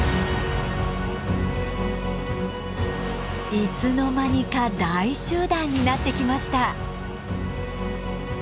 いつの間にか大集団になってきました。